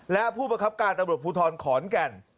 และผู้ประคับการตำรวจภูทรขอนแก่น